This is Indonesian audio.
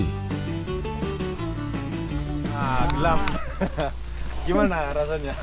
nah gelap gimana rasanya